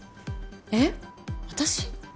えっ私？